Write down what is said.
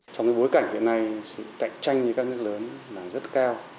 trong bối cảnh hiện nay sự cạnh tranh như các nước lớn là rất cao